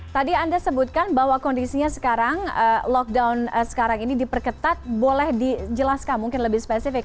tadi anda sebutkan bahwa kondisinya sekarang lockdown sekarang ini diperketat boleh dijelaskan mungkin lebih spesifik